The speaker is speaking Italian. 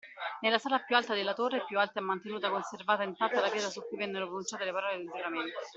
Nella sala più alta della torre più alta è mantenuta conservata ed intatta la pietra su cui vennero pronunciate le parole del giuramento.